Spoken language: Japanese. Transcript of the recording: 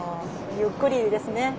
ゆっくりですね。